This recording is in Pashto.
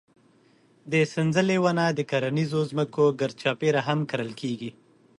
د سنځلې ونه د کرنیزو ځمکو ګرد چاپېره هم کرل کېږي.